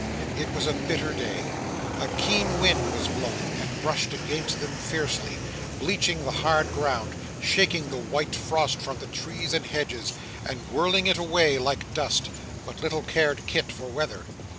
It was a bitter day. A keen wind was blowing, and rushed against them fiercely: bleaching the hard ground, shaking the white frost from the trees and hedges, and whirling it away like dust. But little cared Kit for weather.